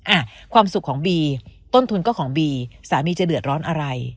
อ่ะความสุขของบีต้นทุนก็ของบีสามีจะเดือดร้อนอะไร